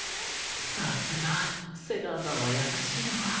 さすが瀬川さんは優しいな